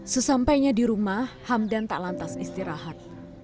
sesampainya di rumah hamdan tak lantas istirahat